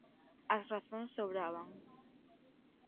As razóns sobraban.